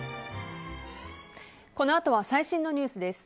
このあとは最新のニュースです。